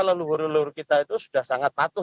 leluhuri leluhuri kita itu sudah sangat patuh